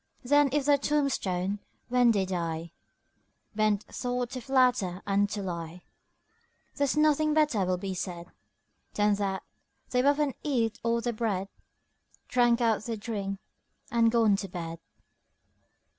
Then if their toombstone when they die Ben't taught to flatter and to lie, There's nothing better will be said Than that "They've up and eat all their bread, Drank up their dring and gone to bed.